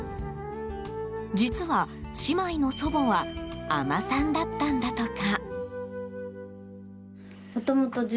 実は、姉妹の祖母は海女さんだったんだとか。